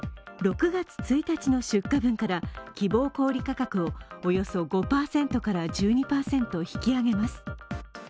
６月１日の出荷分から希望小売価格をおよそ５％から１２％引き上げます。